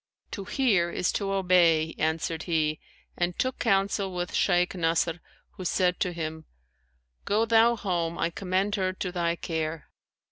'To hear is to obey,' answered he and took counsel with Shaykh Nasr who said to him, 'Go thou home, I commend her to thy care.'